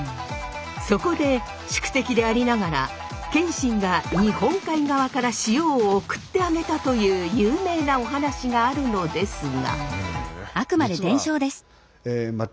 そこで宿敵でありながら謙信が日本海側から塩を送ってあげたという有名なお話があるのですが。